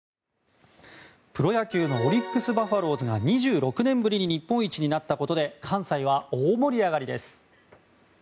プロ野球のオリックス・バファローズが２６年ぶりに日本一になったことで関西は大盛り上がりです。